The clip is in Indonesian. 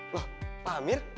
loh pak amir